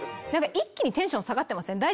一気にテンション下がってません？